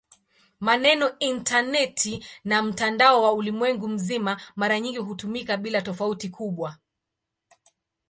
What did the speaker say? Maneno "intaneti" na "mtandao wa ulimwengu mzima" mara nyingi hutumika bila tofauti kubwa.